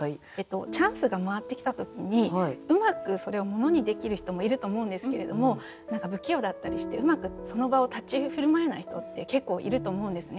チャンスが回ってきた時にうまくそれを物にできる人もいると思うんですけれども何か不器用だったりしてうまくその場を立ち居振る舞えない人って結構いると思うんですね。